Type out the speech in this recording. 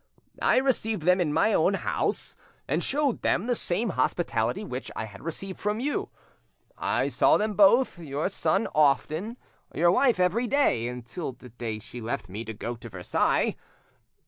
I received them in my own house, and showed them the same hospitality which I had received from you. I saw them both, your son often, your wife every day, until the day she left me to go to Versailles.